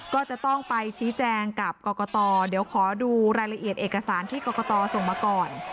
ก็จะต้องไปชี้แจงกับกรกตเดี๋ยวขอดูรายละเอียดเอกสารที่กรกตส่งมาก่อน